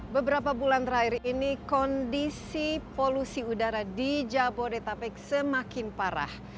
beberapa bulan terakhir ini kondisi polusi udara di jabodetabek semakin parah